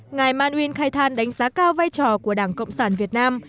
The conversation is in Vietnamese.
ngài man uyên khai than đánh giá cao vai trò của đảng cộng sản việt nam